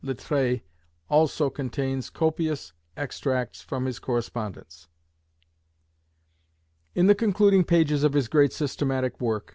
Littré, also contains copious extracts from his correspondence. In the concluding pages of his great systematic work, M.